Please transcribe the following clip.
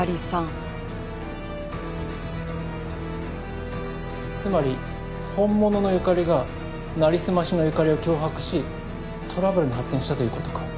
現在つまり本物の由香里がなりすましの由香里を脅迫しトラブルに発展したということか。